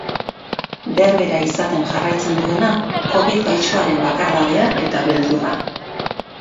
Berbera izaten jarraitzen duena, covid gaisoaren bakardadea eta beldurra.